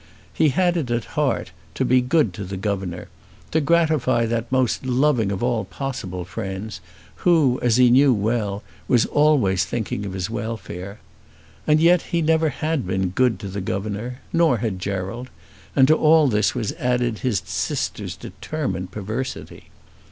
He had it at heart "to be good to the governor," to gratify that most loving of all possible friends, who, as he knew well, was always thinking of his welfare. And yet he never had been "good to the governor"; nor had Gerald; and to all this was added his sister's determined perversity.